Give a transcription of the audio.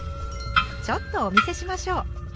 ちょっとお見せしましょう。